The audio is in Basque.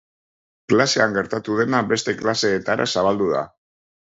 Klasean gertatu dena beste klaseetara zabaldu da.